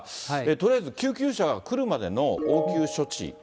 とりあえず救急車が車での応急処置。